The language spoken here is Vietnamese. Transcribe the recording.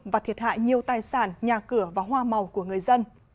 và thiệt hại nhiều tài sản nhà cửa và hoa màu của người dân